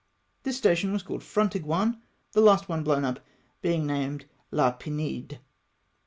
This station was called Frontignan, the one last blown up being named La Pinede.